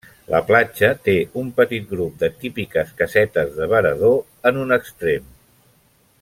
La platja té un petit grup de típiques casetes de varador en un extrem.